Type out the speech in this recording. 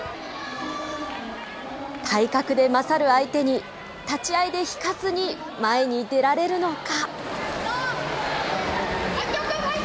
体格で勝る相手に、立ち合いで引かずに前に出られるのか。